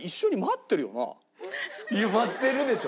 待ってるでしょ